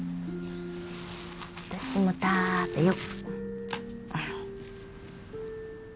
私も食べよう！